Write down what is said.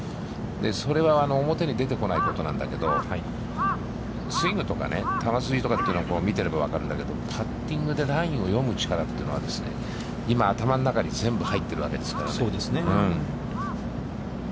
それは、表に出てこないことなんだけど、スイングとか球筋とかというのは見ていればわかるんだけど、パッティングでラインを読む力というのは、今、頭の中に全部入っているわけですからね。